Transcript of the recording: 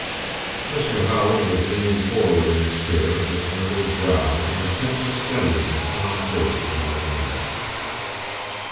Mr. Howard was leaning forward in his chair with wrinkled brow intently studying the calm face of the young man.